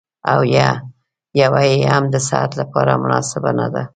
او يوه يې هم د صحت لپاره مناسبه نه ده.